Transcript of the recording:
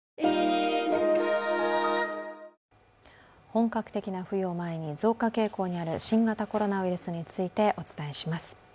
本格的な冬を前に増加傾向にある新型コロナウイルスについてお伝えします。